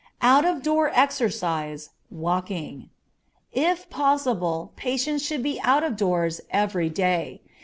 Out of Door Exercise Walking. If possible, patients should be out of doors every day.